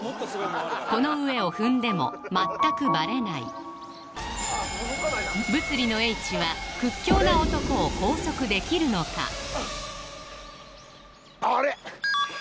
この上を踏んでも全くバレない物理の叡智は屈強な漢を拘束できるのかあれ？